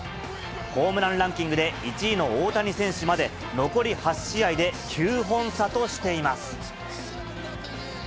ホームランランキングで１位の大谷選手まで残り８試合で９本差としています。